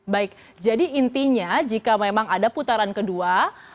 baik jadi intinya jika memang ada putaran kedua